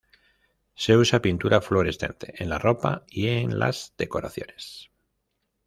Se usa pintura fluorescente en la ropa y en las decoraciones.